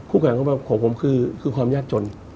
คู่แข่งของผมคือความยากจน